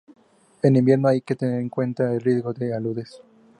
En invierno hay que tener en cuenta el riesgo de aludes.